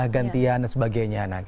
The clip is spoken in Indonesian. gantian dan sebagainya